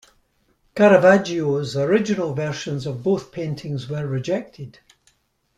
Caravaggio's original versions of both paintings were rejected.